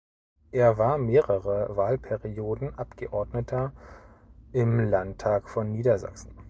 Er war mehrere Wahlperioden Abgeordneter im Landtag von Niedersachsen.